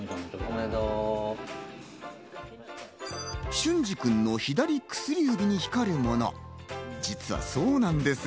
隼司君の左薬指に光るもの、実はそうなんです。